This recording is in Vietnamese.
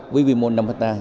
với vi mô năm ha